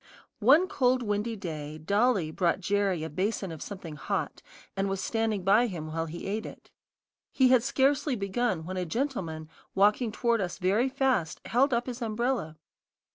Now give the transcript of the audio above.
One cold windy day, Dolly brought Jerry a basin of something hot, and was standing by him while he ate it. He had scarcely begun, when a gentleman, walking toward us very fast, held up his umbrella.